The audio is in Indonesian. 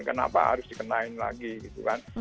kenapa harus dikenain lagi gitu kan